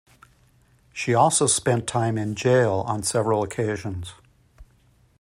She also spent time in gaol on several occasions.